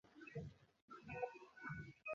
এরকম মুহুর্ত আর কখনোই আসবে নাহ।